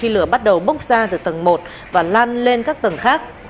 khi lửa bắt đầu bốc ra từ tầng một và lan lên các tầng khác